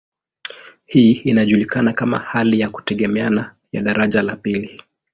Hii inajulikana kama hali ya kutegemeana ya daraja la pili.